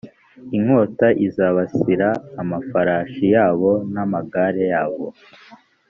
inkota izibasira amafarashi yabo n amagare yabo